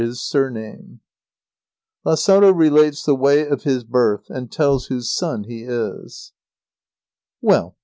I LAZARO RELATES THE WAY OF HIS BIRTH AND TELLS WHOSE SON HE IS Well!